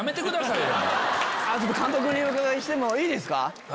監督にお伺いしてもいいですか。